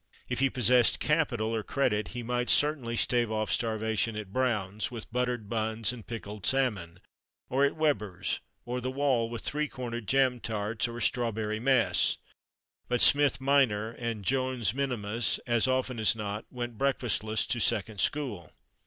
If he possessed capital, or credit, he might certainly stave off starvation at "Brown's," with buttered buns and pickled salmon; or at "Webber's," or "the Wall," with three cornered jam tarts, or a "strawberry mess"; but Smith minor, and Jones minimus as often as not, went breakfastless to second school.